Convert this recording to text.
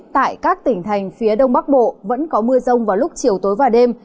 tại các tỉnh thành phía đông bắc bộ vẫn có mưa rông vào lúc chiều tối và đêm